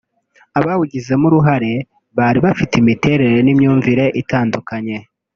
Abawugizemo uruhare bari bafite imiterere n’imyumvire itandukanye